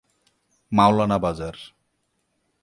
মাওলানা বাজার।